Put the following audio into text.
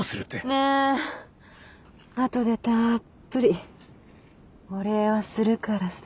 ねえ後でたっぷりお礼はするからさ。